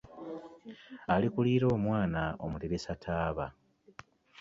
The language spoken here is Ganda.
Alikuliira omwana omuteresa taaba